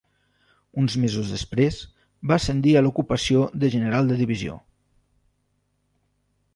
Uns mesos després, va ascendir a l'ocupació de General de divisió.